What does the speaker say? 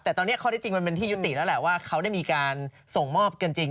แต่ตอนนี้ข้อที่จริงมันเป็นที่ยุติแล้วแหละว่าเขาได้มีการส่งมอบกันจริง